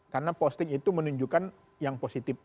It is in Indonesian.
karena posting itu menunjukkan yang positif